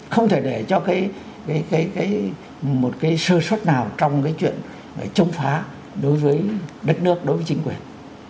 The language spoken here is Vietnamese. không thể để cho cái cái cái cái một cái sơ suất nào trong cái chuyện chống phá đối với đất nước đối với chính quyền